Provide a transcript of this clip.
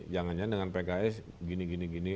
jangan jangan dengan pks gini gini